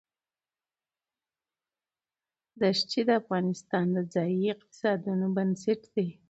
ښتې د افغانستان د ځایي اقتصادونو بنسټ دی.